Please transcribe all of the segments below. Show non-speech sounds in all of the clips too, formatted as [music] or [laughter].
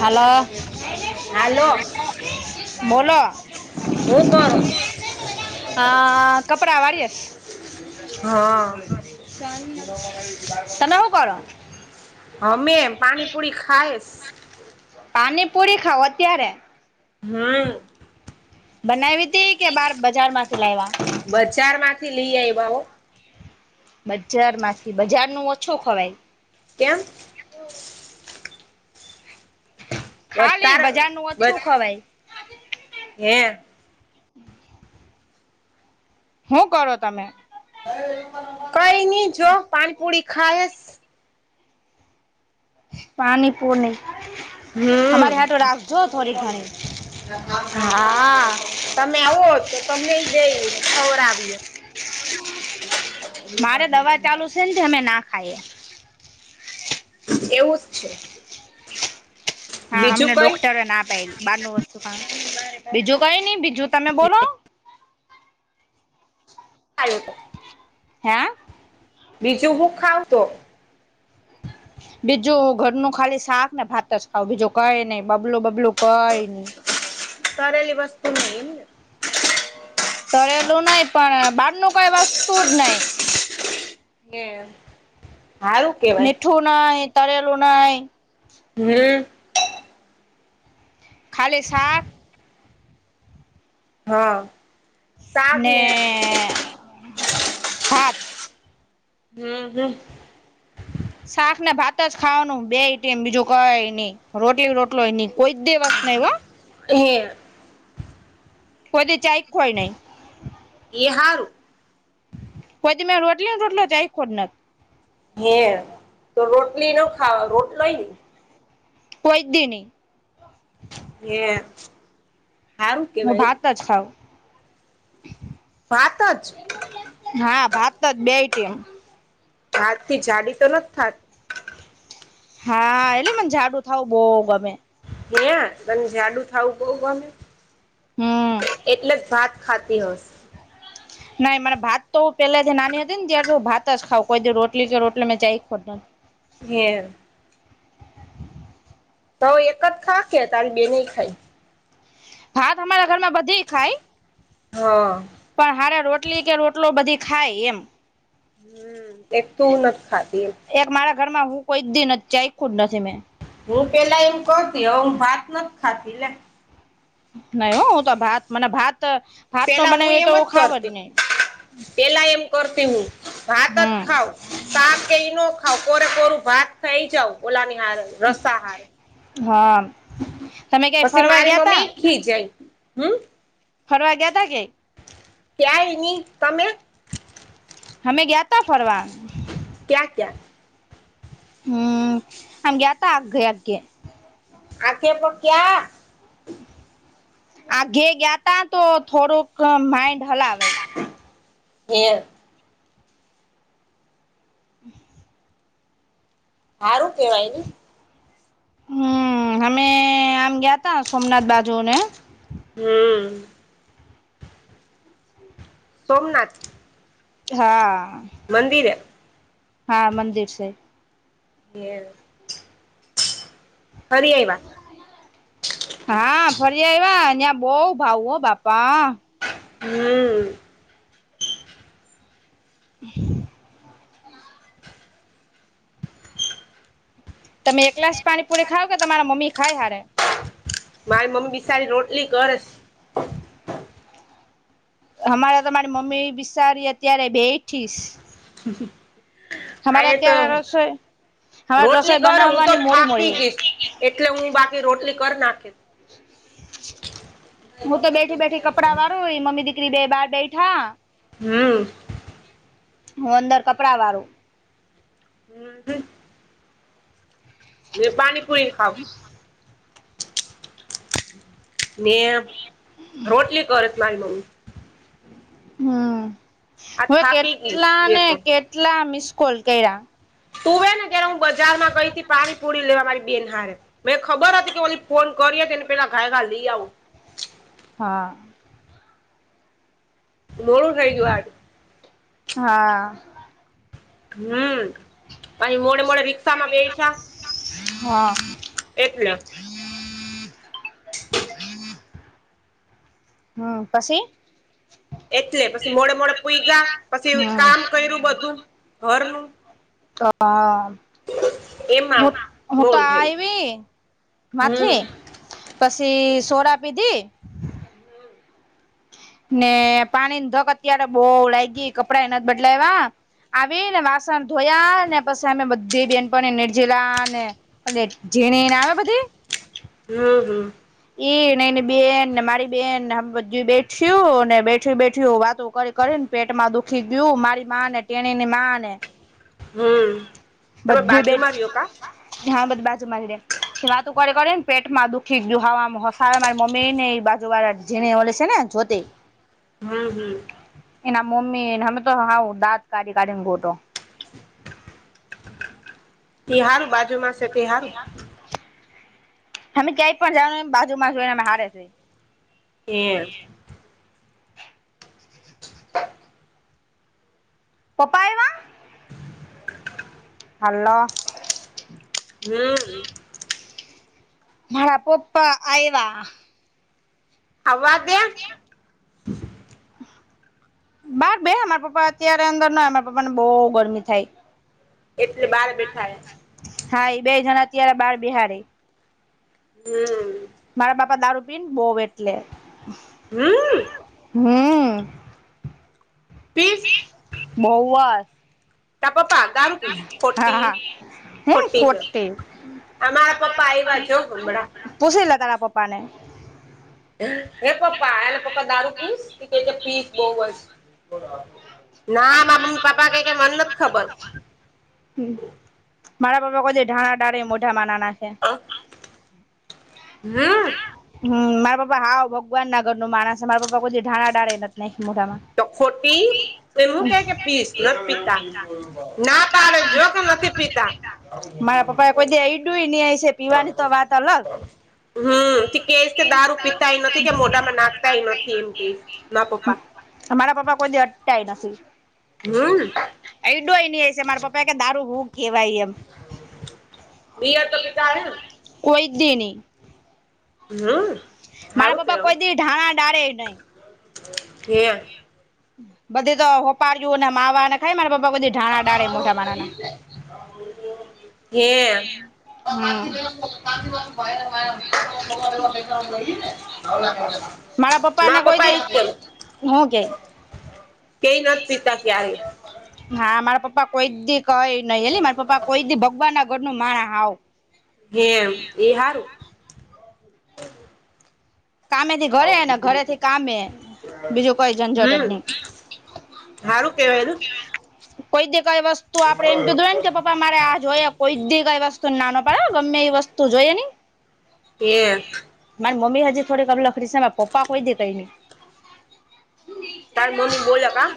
હાલો hello બોલો હું કરોસ હ કપડા વાડીએ છીએ હા તમે શું કરો? હમે પાણીપુરી ખાઈશ પાણીપુરી ખાવ અત્યારે? હા બનાવી હતી કે બાર બજાર માંથી લાયવા? બજાર માંથી લી આઇવા હો. બજાર માંથી બજાર નું ઓછો ખવાય કેમ? ખાલી વધારે બજાર નું ઓછું ખવાય એ હું કરો તમે? કઈ નઈ જો પાણીપુરી ખાય પાણી પુરની અમારી હારુ હમ તો રાખજો થોડી ઘણી. હા. તમે આવો તો તમને જઈ ખવરાવી. મારે દવા ચાલુ છે ને અમે ના ખાઈએ. એવું જ છે. હા બીજું અમને કઈ ડોક્ટર ના પાઈડી બાર નુ વસ્તુ ખ બીજું કઈ નઈ બીજું તમે બોલો. [inaudible] હે બીજું હું ખાવં તો બીજું ઘરનું ખાલી શાક ને ભાત જ ખાઉ બીજું કઈ નહી બબલું બબલું કઈ નહી. તડેલી વસ્તુ નહી એમને તળલું નહી પણ બહાર નું કઈ વસ્તુ જ નય હારું મીઠું નઈ તરેલું નઈ હમ્મ. ખાલી શાક હા. ને ભાત હમ્મ હમ્મ. શાક ને ભાત જ ખાવાનું બે ટાઈમ બીજું કઈ ની રોટલી રોટલો એ ની કોઈ જ દીવસ નય હો. [unintelligible] કોધ દી [unintelligible] એ હારું કોઈ દીમેં રોટલી ને રોટલો જઈ [unintelligible] હે તો રોટલી નું ખાવા રોટલોઈ કોઈ દી ની કેમ હું ભાત જ ખઉ. ભાત જ હા ભાત જ બેઈ ટાઈમ ભાત થી જાડી તો નથ થાત હા એટલે મને જાડું થાવું બો ગમે. હે તને જાડું થાવું બઉ ગમે હમ એટલે જ ભાત ખાતી હશ નઈ મને ભાત તો પેલાથી નાની હતી ને ત્યાર થી હું ભાત જ ખાવં કોઈ દી રોટલી કે રોટલો મે ચાયખો નથી. હે તો એક જ ખાકે તારી બેને ખાય. ભાત અમારા ઘરમાં બધી ખાય. હા. પણ હારે રોટલી કે રોટલો બધી ખાય એમ. એક તું નથી ખાતી એક મારા ઘર માં હું કોઈ દિ ચાયખું જ નથી મેં. હું પેલા એમ કરતી હવે ભાત નથ ખાતી ને. નય હો હું તો ભાત મને ભાત ભાત નો પેલા હું બનાવ એમ તો ખાવ જ કરતી નય. પેલા એમ કરતી હું ભાત જ ખાઉ. હમ શાક કે એઈ ન ખાવ કોરે કોરું ભાત ખઈ જાવ ઓલાની હાર રસા હાર. હા. તમે ક્યાંય પછી ફરવા મારી ગયા તા મમ્મી ખીજાઈ હમ્મ. ફરવા ગ્યાતા કે ક્યાંય ની તમે? અમે ગ્યાતા ફરવા. ક્યા ક્યા હમ્મ ગ્યાતા આઘે આઘે આખે પક્યા આઘે ગયા તા તો થોડુંક માઇન્ડ હલાવે [unintelligible] [unintelligible] હારું કેવાય ને. હમ્મ અમે આમ ગયા તા સોમનાથ બાજુ ને. હમ્મ. સોમનાથ. હા. મંદિરે. હા, મંદિર છે. એ [inaudible] ફરિયાયવા. હા, ફરી આવ્યા ત્યાં બોવ ભાવ હો બાપા. હમ્મ. [unintelligible] [unintelligible] તમે એકલાસ પાણીપુરી ખાવ કે તમારા મમ્મી ખાય હારે. મારી મમ્મી બિશારી રોટલી ગળેશ. અમારે તમારી મમ્મી બિચારી અત્યારે બેઠીશ. [unintelligible] [unintelligible] આયા તો અત્યારે રસોઈ અમારે રસોઈ રોટલી કર હું તો બનાવવાની મોડી થાકી મોડી ગઈશ. હોય એટલે હું બાકી રોટલી કર નાખી. હું તો બેઠી બેઠી કપડાં વારું મમ્મી દીકરી બે બાર બેઠા. હા. હું અંદર કપડાં વાળું. હમ્મ. તે પાણીપૂરી ખાવુશ. ને રોટલી કરત મારી મમ્મી. હમ્મ આ હવે થાકી ગઈશ કેટલા ને મેં તો કેટલા મિસકોલ કયરા. તું હોઈ ને કેયારે હું બજાર માં ગઈ પાણી પુરી લેવા મારી બેન હારે. મે ખબર હતી કે ઓલી ફોન કરી એને પેલા ગાય ગા લઈ આવું. હા. મોળું થઈ ગયું આજ. હા. હમ્મ પછી મોડે મોડે રિક્ષામાં બેઠા. હા. એટલે. [inaudible] [inaudible] હા પછી. એટલે પછી મોડે મોડે પુઈગા પછી હમ કામ કર્યું બધું ઘરનું. [unintelligible] [inaudible] એમાં [unintelligible] હું તો મોડું થઈ આઈવી ગયું માથી હમ પછી સોડા પીધી. ને પાણી ની તક અત્યારે બહૂ લાઈ ગઈ કપડાંય નથી બદલાવા. આવી ને વાસણ ધોયા ને પછી અમે બધી બેહેનપણી નિર્જીલા અને. અને જેને એને આવે બધી. હું હું. એઈ ન એની બેનને મારી બેન બેઠ્યું ને બેઠ બેઠી વાતો કરી. કરીને પેટમાં દુખી ગયું મારી મા ને તેટેણી ની મા ને. હમ. તમે બધું બે બાજુમાં રહ્યો કા હા બધી બાજુ મારી દે. કે વાતું કર કરેને પેટમાં દુખી ગીયુ હવામાં સાર મમ નને બાજુવારા. જને હ છે ને જોતે. હમ હમ. એના મમ્મીને હમે તો હાવ દાંત કાઢી - કીઢી ને ગોટો. હારું બાજુમાં સતે હારું. અમે ક્યાંય પણ જાાવનું એ બાજુ માં જોને અ હારે છે. એમ. [unintelligible] પપ્પા એવીયા હાલો. હમ. મારા પપ્પા આવ્યા. આવા દે. [inaudible] બાર બે અમારા પપ્પા અત્યારે અંદર ના અમારા પપ્પાને બહુ ગરમી થાય. એટલે બાર બેઠા હે. હા એ બે જણ અત્યારે બાર બિહાડે. હમ. મારા બાપા દારૂ પીન બોવ એટલે. હમ હમ. પીસ બઉઅજ. તા પપ્પા દારૂ પીસ હા ખોટી હા હે કોતે. આ મારા પપ્પા આ્યા જો હમડા. પુછી લે તારા પપ્પા ને. હે પપ્પા એને પપ્પા દારૂ પીસ ક પીસ બહુ જ. ના મામ્મી પાપા ક કે મને નથી ખબર. હમ મારા બાપા કો છે ઠાણા ડળ મોઢામાં ના નાખે. હમ. હમ મારા પાપા હા ભગવાન નાગર નું માણસ મારાપા કોઈ ઢાણા ડાળે નથી મોઢામાં. તો ખોટી તો હું કે કે પીસ નથી પીતા ના પાડે જો કે નથી. પીતા. મારા પપ્પા એ કોઈ દે ઈડુંય નહી છે પીવાની તો વાત અલગ. હમ કેશ કે દારૂ પીતાય નથી કે મોઢામાં નાખતાય નથી એમ કે મારા પપ્પા. મારા પાપા કોઈ અદટા નથી. હમ. એડોય ન હ છે મારા પપા કે દારૂ હું કેહેવાય એમ. બિયર તો પિતા હૈ. કોઈ દે નહિ. હમ. મારા હારું પપ્પા કોઈ દિવ ઢાણા ડળે નહી. એમ. બધી તો હોપાડુંને માવાને ખાય માને પપા બધી ઢાણા ડાળે મોઢા માનાના. હે [unintelligible] હમ પેાઈઈએ ને મારા પપ્પા મા ને પપ કોઈ દી આઈ જનું. હું કેય. કઈ નાથ પીતા ક્યારેય. હા મારા પપ્પા કોઈ દી કઈ નઈ એલી મારા પપ્પા કોઈ દી ભગવાન ના ઘર નું માણ હાવ. એમ, એ હારું. કામેથી ઘરે ને ઘરે થી કામે બીજું કોઈ ઝંઝટટ હમ નહી. હારું કેવાયું. કોઈ દે કઈ વસ્તુ આપણે એમ કીધુંને કે પપા. તમારે આ જોઈએ કોઈ કઈ વસ્તુ નાનો પડે ગમે એવી વસ્તુ જોઈએ ને. એ મારી મમ્મી હજી થોડી કબલખડી સે, માયે પપ્પા કોઈ દી કઈ ની તાર મમ્મી બોલ કા?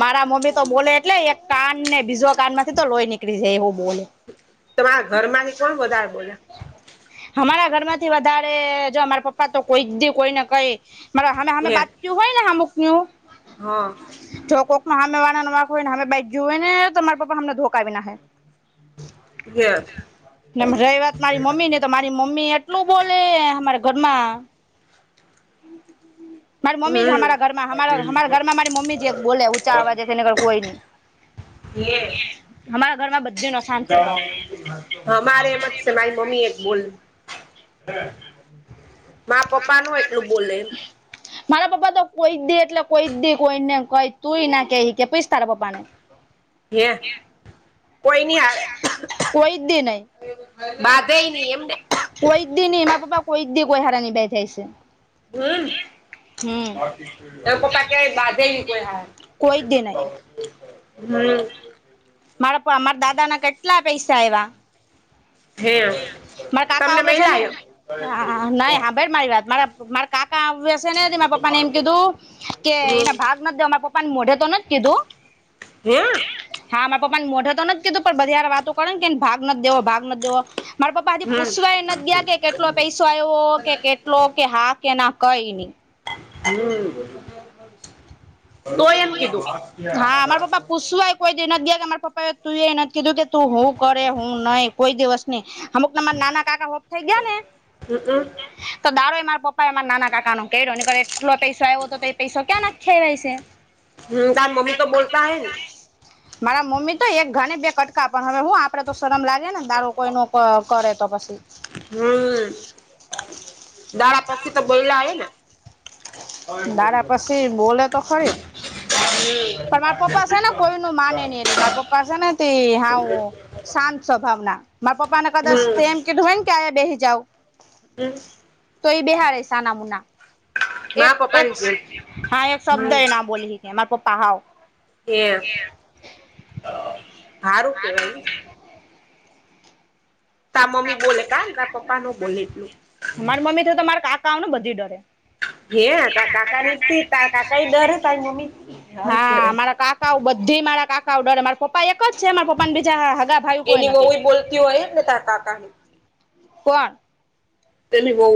મારા મમ્મી તો બોલે એટલે એક કાન ને બીઝો કાનમાંથી તો લોઈ નીકળી જાય એવું બોલે. તમારા ઘર માંથી કોણ વધારે બોલે? હમારા ઘર માંથી વધારે જો અમારે પપ્પા તો કોઈ દી કોઈને કહી મારે હામે હામે હે બાત તું હોય ને હમુક નુ. હ જો કોકમાં હામે વારા નો વાંક હોય ને હામે બેઠ ગ્યુ હોય ને ત માય પપા એમને ધોકાવી નાક હે. હે નેમ રહી વાત મારી મમ્મી ની તો મારી મમ્મી એટલું બોલે હમારા ઘરમાં. માળી મમ્મી જ હમ હમારા ઘરમાં હમારા હમારા ઘરમાં મારી મમ્મી જ એક બોલે ઊંચા અવાજે છેને ઘર કોઈ ની. યસ હમારા ઘરમાં બધીનો શાત સ્વભાવ. હમારે મત્સ માયી મમ્મી એક બોલ માય પપ્પા ન એટલું બોલે. મારા પપ્પા તો કોઈ દી એટલે કોઈ દી કોઈને કઈ તુંઈ ના કે, કે પીસ તારા પપા ને. [unintelligible] કોઈની આવે કોઈ દી નહી બાધે નઈ એમને. કોઈ દી નઈ મારા પપ્પા કોઈક દી કોઈ હારેની બેઠે ની સે. હમમ. ત પપ્પા કે બાંધે કોઈ હારે કોઈ દી નહી હમ્મ. મારા પા મારા દાદા ના કેટલા પૈસા આયવા. થે માય કાકા હવે સે ને.. હાહા નહી હાંભેળ મારી વાત મારા મારા કાકા આવું શે ને મારા પપા ને એમ કીધું, કે હમ એના ભાગ નથ દે મારા પપ્પા ને મોઢે તો ન જ કીધું. હે! હા માયા પપ્પા ને મોઢે તો ન જ કીધું પણ બધા હારી વાતો તો કળે કે ભાગ નથ દેવો, ભાગ નથ દેવો. મારા પપ્પા હજી હમ પૂસવાય એ નથ ગીયા કે કેટલો પૈસો આવ્યો કે એટલો કે હા કે ના કઈ ની. હમ્મ, તો એમ કીધું. હા મારા પપ્પા પૂછવાય કોઈ દી નથ ગીયા કે મારા પપા એ તુંએ નથ કીધું કે તું હું કરે હું નઈ કોઈ દિવસ ની અમુક મારા નાના, કાકા હોપ થઈ ગીયા ને હમ્મહ. ત દાડો એ મારા પપ્પા એમા નાના કાકાનો કેયરો નીકળે એટલો પૈસા આયવો તો તે એ પૈસો ક્યા નાખ્યાવ્યા ઇસે. હમ્મ, તાર મમ્મી તો બોલતા અહે ને. મારા મમ્મી તો એક ઘર ને બે કટકા પણ હવે હું આપડે તો શરમ લાગે ને તારું કોઈનું ક કરે તો પછી. હમ્મ, દારા પસી તો બોયલા અઈ ને. દારા પસી બોલે તો ખરી. પણ હમ મારા પપ્પા સે, ને કોઈનુ માને નઈ એલી મારા પપ્પા છે ને તે હા ઓ શાંત સ્વભાવના. મા પપ્પા ને કદાચ તેમ કીધું હોય ને કે અયી બેહી જાવ. હમ્મ. તો ઇ બેહારે સાના મુના. એક મારા પપ્પાની જેમ હા એક શબ્દ હમ એ ના બોલી કે મારા પપ્પા હાવ એમ હારૂ કેવાઈ. તા મમ્મી બોલે તા, તા પપ્પા ન બોલે એટલું. મારી મમ્મી તો તમારે કાકા આવ ને બધી ડરે. હે તાર કાકા ની તાર કાકા એ ડરે તારી મમ્મી [unintelligible] હારું હા, કેવાય મારા કાકા બધી મારા કાકા ડરે મારા પપા એક જ છે મારા પપ્પાને બીજા હગા ભાઈ કોઈ એની નથી વવુ બોલતી હોય ને તા કાકાની કોણ તેની વહુ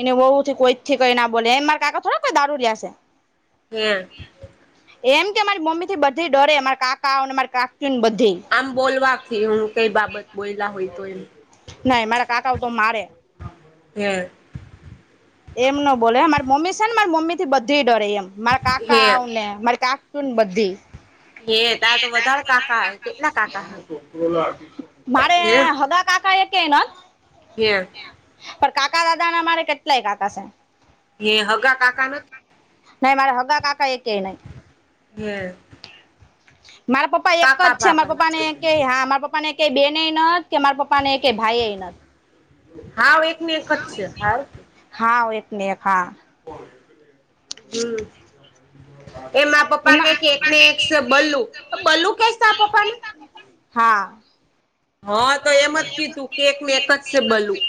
એને બહુ કોઈ થી કઈ ના બોલે એ માર કાકા થોડા કોઈ દારૂડિયા છે. હમ્મ એમ કે મારી મમ્મી થી બધી ડરે મારા કાકા મારી કાકી બધી આમ બોલવાથી હું કઈ બાબત બોલા હોય તો એમ નાઈ મારા કાકા તો મારે હમ્મ એમ ન બોલે મારી મમ્મી છે ને મારી મમ્મી થી બધી ડરે એમ મારા હે કાકાઓ ને મારી કાકા બધી હે તાર તો વધારે કાકા હ કેટલા કાકા મારે હે હગા કાકા એક નથ [unintelligible] પણ કાકા બાપા ના મારે કેટલાય કાકા છે. એ હગા કાકા નથી. નઈ મારા હગા કાકા એકે નહીં હમ્મ મારા પપ્પા એક જ છે બાપા મારા પપ્પા ને કે હા મારા પપ્પા ને કઈ બેન નઈ ન નથી કે મારા પપ્પાને ક ભાઈ એ નથી. હાવ એક ને એક જ છે હાવ હા એકને એક હા હમ્મ એમાં પપ્પા ક કે એક ને એક બલ્લુ બલ્લુ કે આ પપ્પા ને હા હા તો એમ જ કીધું કેક ને એક જ છે બલું